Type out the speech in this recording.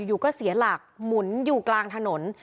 อยู่ก็เสียหลักหมุนอยู่กลางถนน